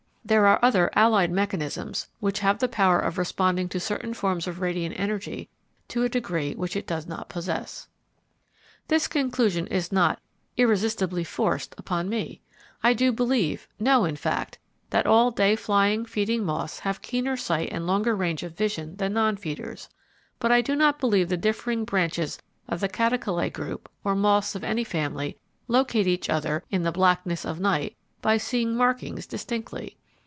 There are other allied mechanisms which have the power of responding to certain forms of radiant energy to a degree which it does not possess." This conclusion is not "irresistibly forced" upon me. I do believe, know in fact, that all day flying, feeding moths have keener sight and longer range of vision than non feeders; but I do not believe the differing branches of the Catocalae group, or moths of any family, locate each other "in the blackness of night," by seeing markings distinctly.